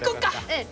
うん！